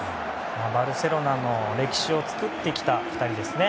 バルセロナの歴史を作ってきた２人ですね。